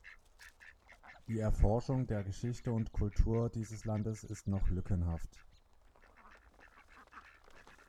Die Erforschung der Geschichte und Kultur dieses Landes ist noch lückenhaft.